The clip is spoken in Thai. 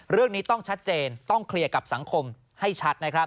เรื่องนี้ต้องชัดเจนต้องเคลียร์กับสังคมให้ชัดนะครับ